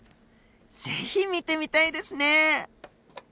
是非見てみたいですね。